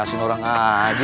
manasin orang aja